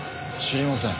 知りません。